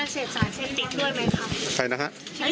ใช่นะคะ